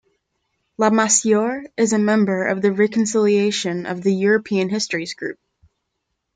Lamassoure is a member of the Reconciliation of European Histories Group.